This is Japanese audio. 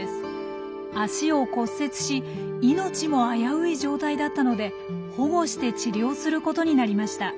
足を骨折し命も危うい状態だったので保護して治療することになりました。